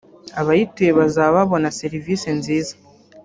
Abayituye bazaba babona serivisi nziza